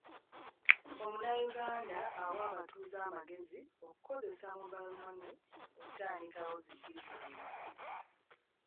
Munnayuganda awa abatuuze amagezi okukozesa mobile money okutandikawo zi bizinensi